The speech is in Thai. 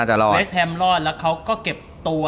แต่เวสแฮมรอดแล้วเขาก็เก็บตัว